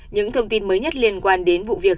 những thông tin mới nhất liên quan đến vụ việc